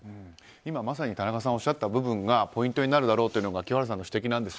今、まさに田中さんがおっしゃった部分がポイントになるだろうというのが清原さんの指摘なんです。